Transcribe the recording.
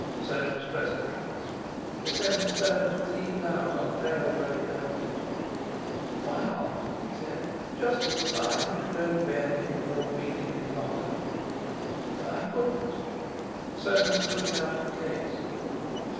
Soames pressed the clasp; the seven stones gleamed out on the pale grey velvet. "Why not?" he said. "Just as a sign that you don't bear me ill feeling any longer." "I couldn't." Soames took it out of the case.